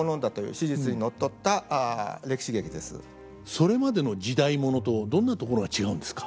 それまでの時代物とどんなところが違うんですか？